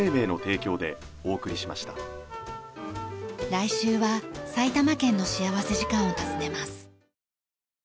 来週は埼玉県の幸福時間を訪ねます。